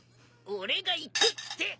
・俺が行くって！